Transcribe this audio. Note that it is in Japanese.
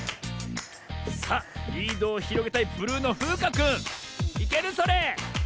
さあリードをひろげたいブルーのふうかくんいけるそれ？